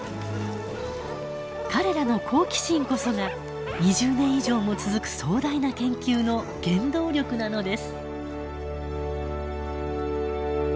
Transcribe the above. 彼らの好奇心こそが２０年以上も続く壮大な研究の原動力なのです。